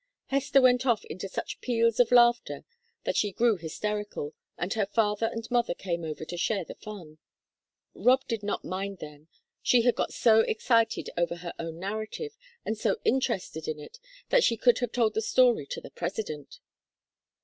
Hester went off into such peals of laughter that she grew hysterical, and her father and mother came over to share the fun. Rob did not mind them; she had got so excited over her own narrative, and so interested in it, that she could have told the story to the President.